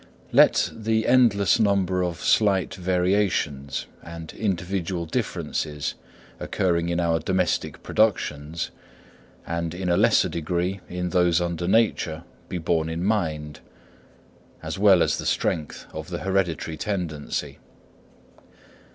Let the endless number of slight variations and individual differences occurring in our domestic productions, and, in a lesser degree, in those under nature, be borne in mind; as well as the strength of the hereditary tendency.